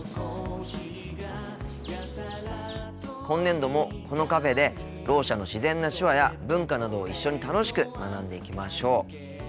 今年度もこのカフェでろう者の自然な手話や文化などを一緒に楽しく学んでいきましょう。